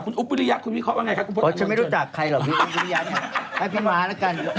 คุณอุ๊บผิดริยะคุณวิเคราะห์ว่างันไงค่ะ